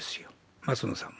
松野さんも。